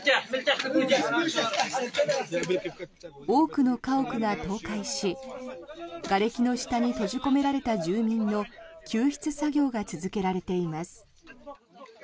多くの家屋が倒壊しがれきの下に閉じ込められた住民の救出作業が続けられています。